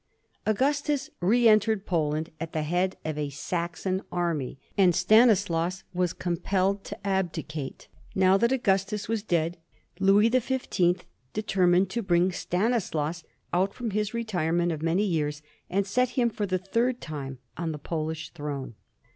Augus tus re entered Poland at the head of a Saxon army, and Stanislaus was compelled to abdicate. Now that Augus tus was dead, Louis the Fifteenth determined to bring Stanislaus out from his retirement of many years and set him for the third time on the Polish throne.